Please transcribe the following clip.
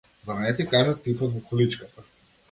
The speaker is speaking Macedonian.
Зар не ти кажа типот во количката?